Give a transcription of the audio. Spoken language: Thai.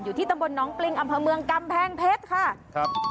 ที่ตำบลน้องปริงอำเภอเมืองกำแพงเพชรค่ะครับ